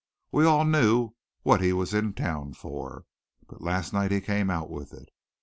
We all knew what he was in town for. But last night he came out with it.